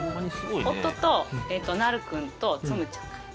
夫となる君とつむちゃん。